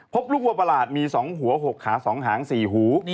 พบลูกวัวประหลาดมี๒หัว๖ขา๒หาง๔หู